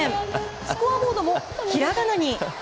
スコアボードもひらがなに。